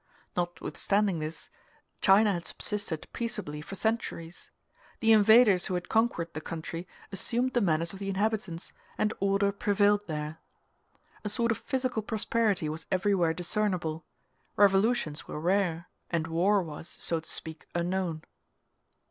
Notwithstanding this, China had subsisted peaceably for centuries. The invaders who had conquered the country assumed the manners of the inhabitants, and order prevailed there. A sort of physical prosperity was everywhere discernible: revolutions were rare, and war was, so to speak, unknown.